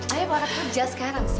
ayo berhenti kerja sekarang sat